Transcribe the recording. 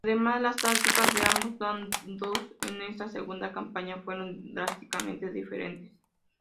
Además, las tácticas de ambos bandos en esta segunda campaña fueron drásticamente diferentes.